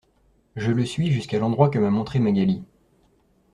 Je le suis jusqu’à l’endroit que m’a montré Magali.